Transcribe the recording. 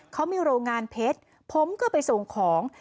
เขามีโรงงานเพชรผมก็ไปส่งของ